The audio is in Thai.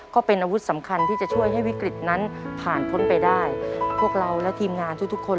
ก็เป็นอาวุธสำคัญที่จะช่วยให้วิกฤตนั้นผ่านพ้นไปได้พวกเราและทีมงานทุกทุกคน